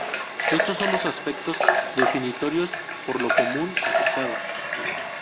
Estos son los aspectos definitorios por lo común aceptados.